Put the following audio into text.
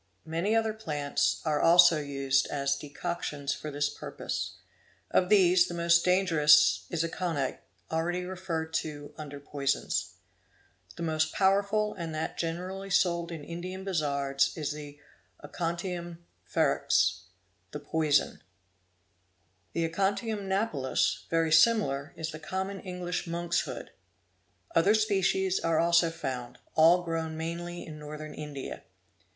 Many other plants are also used as decoctions for this purpose. Of these the most dangerous is aconite already referred to under poisons. The most powerful and that generally sold in Indian Bazaars is the Aconitum, ferox, Bish, 'the poison', Vashnavi (Tam.) (see p. 660 ante). The aconitum napellus, very similar, is the common English ' monk's hood'. Other species are also found ; all grown mainly in Northern India.